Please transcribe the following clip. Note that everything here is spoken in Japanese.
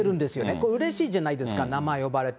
これ、うれしいじゃないですか、名前呼ばれて。